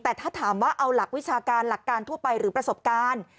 แต่ถ้าถามว่าเอาหลักวิชาการหลักการทั่วไปหรือประสบการณ์